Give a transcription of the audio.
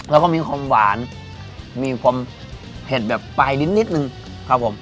แล้วก็มีความหวานมีความเผ็ดแบบปลายลิ้นนิดนึงครับผม